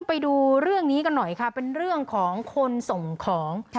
ไปดูเรื่องนี้กันหน่อยค่ะเป็นเรื่องของคนส่งของ